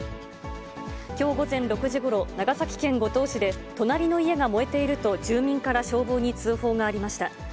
きょう午前６時ごろ、長崎県五島市で、隣の家が燃えていると、住民から消防に通報がありました。